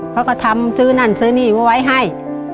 เขาก็ทำซื้อนั่นซื้อนี่ไว้ให้